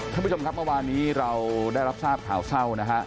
ท่านผู้ชมครับเมื่อวานนี้เราได้รับทราบข่าวเศร้านะฮะ